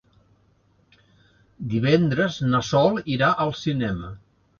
Divendres na Sol irà al cinema.